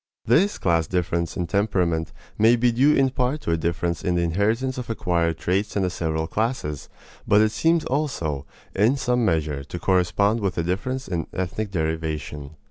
This class difference in temperament may be due in part to a difference in the inheritance of acquired traits in the several classes, but it seems also, in some measure, to correspond with a difference in ethnic derivation.